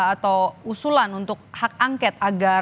atau usulan untuk hak angket